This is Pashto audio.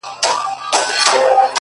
ځوان لگيا دی!